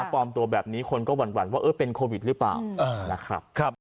ปลอมตัวแบบนี้คนก็หวั่นว่าเป็นโควิดหรือเปล่านะครับ